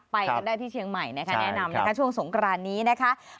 ไปก็ได้ที่เชียงใหม่แนะนำช่วงสงกรานนี้นะคะ